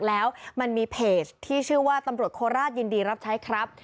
แล้วมันมีเพจที่ชื่อว่าตำรวจโคราชยินดีรับใช้ครับ